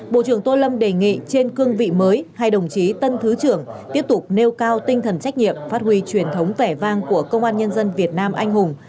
bộ trưởng tô lâm đề nghị trên cương vị mới hai đồng chí tân thứ trưởng tiếp tục nêu cao tinh thần trách nhiệm phát huy truyền thống vẻ vang của công an nhân dân việt nam anh hùng